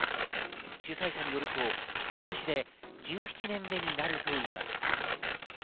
主催者によると今年で１７年目になるといいます。